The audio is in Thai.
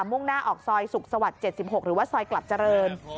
มุ่งหน้าออกซอยสุขสวรรค์๗๖หรือว่าซอยกลับเจริญ